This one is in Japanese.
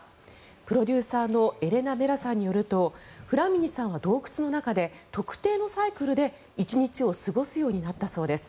プロデューサーのエレナ・メラさんによるとフラミニさんは洞窟の中で特定のサイクルで１日を過ごすようになったそうです。